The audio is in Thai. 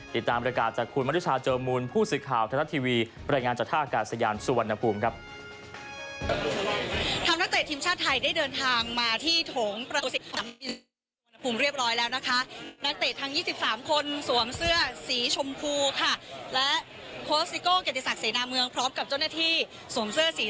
ติดตามรายการจากคุณมริชาเจอร์มูลผู้สิทธิ์ข่าวธรรมดาทีวี